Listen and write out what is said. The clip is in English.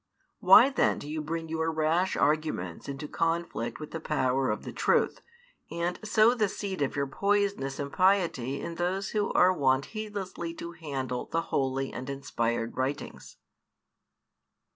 Why then do you bring your rash arguments into conflict with the power of the truth, and sow the seed of your poisonous impiety in those who are wont heedlessly to handle the holy and inspired writings?